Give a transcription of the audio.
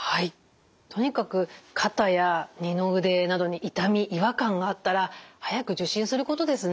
とにかく肩や二の腕などに痛み違和感があったら早く受診することですね。